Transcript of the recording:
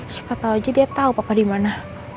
suka tau aja dia tau papa dimana